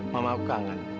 mama aku kangen